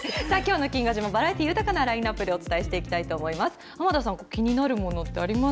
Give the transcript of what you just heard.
きょうもバラエティー豊かなラインアップでお伝えしていきたいと思います。